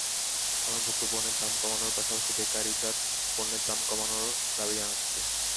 আমরা ভোগ্যপণ্যের দাম কমানোর পাশাপাশি বেকারিজাত পণ্যের দাম কমানোরও দাবি জানাচ্ছি।